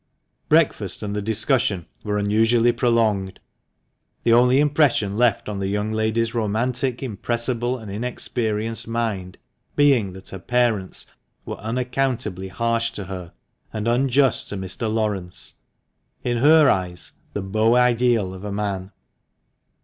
Breakfast and the discussion were unusually prolonged, the only impression left on the young lady's romantic, impressible, and inexperienced mind being that her parents were unaccountably 326 THE MANCHESTER MAN. harsh to her and unjust to Mr. Laurence, in her eyes the beau ideal of a man.